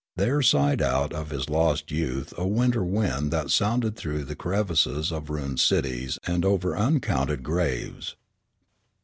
There sighed out of his lost youth a winter wind that sounded through the crevices of ruined cities and over uncounted graves.